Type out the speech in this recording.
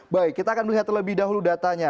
baik kita akan melihat terlebih dahulu datanya